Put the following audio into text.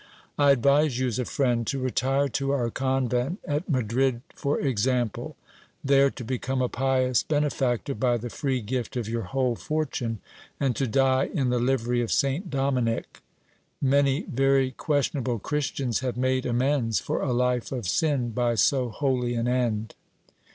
I advise you as a friend to retire to our convent at Madrid, for example ; there to become a pious bene factor by the free gift of your whole fortune, and to die in the livery of Saint Dominic. Many very questionable Christians have made amends for a life of sin by so holy an end.